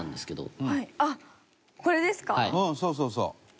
伊達：そうそうそう！